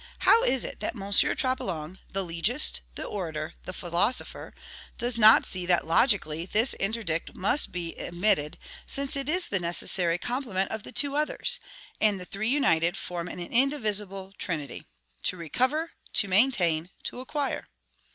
How is it that M. Troplong the legist, the orator, the philosopher does not see that logically this interdict must be admitted, since it is the necessary complement of the two others, and the three united form an indivisible trinity, to RECOVER, to MAINTAIN, to ACQUIRE?